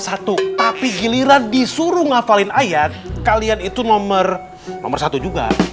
tapi giliran disuruh ngafalin ayat kalian itu nomor satu juga